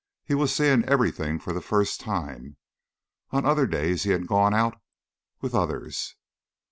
He was seeing everything for the first time. On other days he had gone out with others.